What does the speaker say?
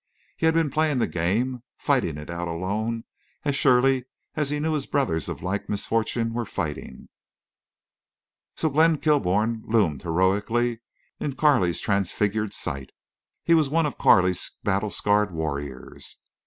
He had been playing the game—fighting it out alone as surely he knew his brothers of like misfortune were fighting. So Glenn Kilbourne loomed heroically in Carley's transfigured sight. He was one of Carley's battle scarred warriors.